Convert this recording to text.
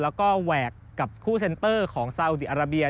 แล้วก็แหวกกับคู่เซ็นเตอร์ของซาอุดีอาราเบีย